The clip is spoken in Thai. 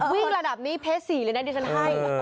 วิ่งระดับนี้เพจ๔เลยนะดิฉันให้